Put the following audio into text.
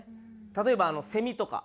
例えばセミとか。